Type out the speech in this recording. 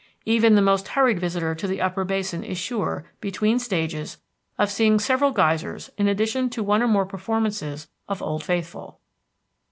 Even the most hurried visitor to the Upper Basin is sure, between stages, of seeing several geysers in addition to one or more performances of Old Faithful.